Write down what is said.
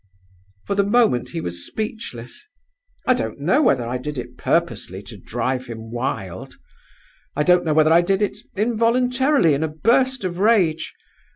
"For the moment he was speechless. I don't know whether I did it purposely to drive him wild. I don't know whether I did it involuntarily in a burst of rage.